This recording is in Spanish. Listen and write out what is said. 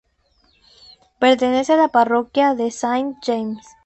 Pertenece a la parroquia de Saint James.